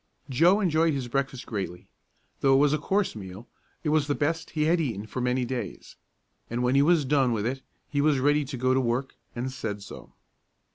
Joe enjoyed his breakfast greatly. Though it was a coarse meal, it was the best he had eaten for many days, and when he was done with it he was ready to go to work, and said so.